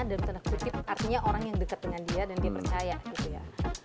dan tanda kutip artinya orang yang dekat dengan dia dan dia percaya gitu ya